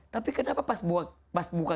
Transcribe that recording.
tapi kenapa pas buka